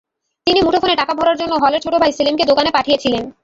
তিনি মুঠোফোনে টাকা ভরার জন্য হলের ছোট ভাই সেলিমকে দোকানে পাঠিয়েছিলেন।